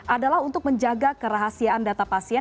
adalah untuk menjaga kerahasiaan data pasien